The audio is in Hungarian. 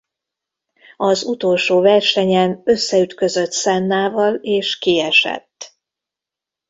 Az utolsó versenyen összeütközött Sennával és kiesett.